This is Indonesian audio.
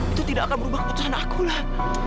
itu tidak akan merubah keputusan aku lah